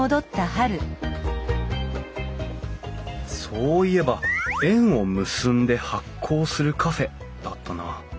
そういえば「縁を結んで発酵するカフェ」だったな。